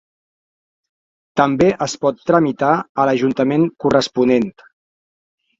També es pot tramitar a l'ajuntament corresponent.